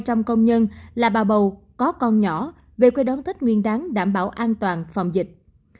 các công nhân là bà bầu có con nhỏ về quê đón tết nguyên đáng đảm bảo an toàn phòng dịch